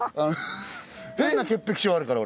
変な潔癖症あるから俺。